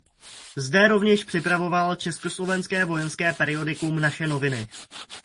Zde rovněž připravoval československé vojenské periodikum "Naše noviny".